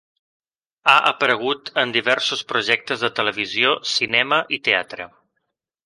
Ha aparegut en diversos projectes de televisió, cinema i teatre.